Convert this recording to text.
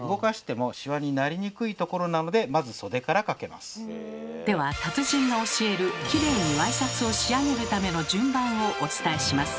まずでは達人が教えるキレイにワイシャツを仕上げるための順番をお伝えします。